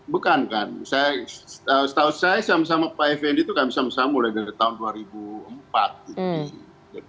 bukan kan setahu saya sama sama pak effendi itu kami sama sama mulai dari tahun dua ribu empat gitu